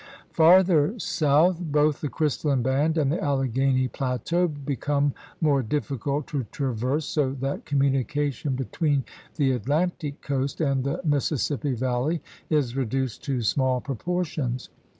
Farther south both the crystalline band and the Alleghany pla teau become more difficult to traverse, so that communication between the Atlantic coast and the Mississippi Valley is reduced to small proportions.